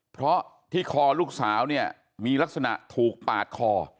เพราะที่คอลูกสาวเนี่ยมีลักษณะถูกปาดคอ